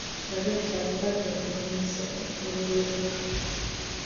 Abeetab bajja kuva mu masaza ne mu bibuga.